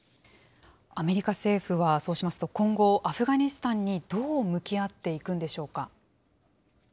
アメリカ政府は、そうしますと、今後、アフガニスタンにどう向き合っていくんでしょうか。